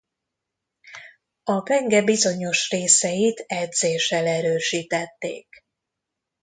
A penge bizonyos részeit edzéssel erősítették.